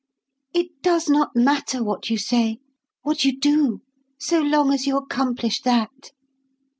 "It does not matter what you say, what you do, so long as you accomplish that."